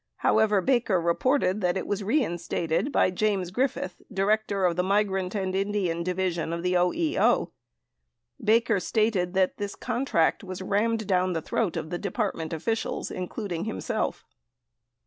However, Baker reported that it was rein stated by James Griffith, Director of the Migrant and Indian Division of OEO. Baker stated that this contract was "rammed down the throats" of Department officials, including himself.